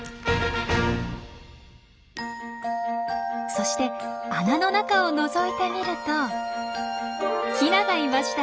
そして穴の中をのぞいてみるとヒナがいました！